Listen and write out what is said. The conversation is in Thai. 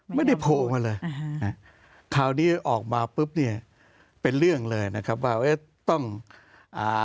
โผล่มาเลยคราวนี้ออกมาปุ๊บเนี่ยเป็นเรื่องเลยนะครับว่าเอ๊ะต้องอ่า